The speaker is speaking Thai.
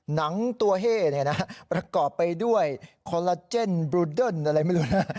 หนังตัวเฮ่ประกอบไปด้วยคอลลาเจนบลูเดิร์นอะไรไม่รู้นะ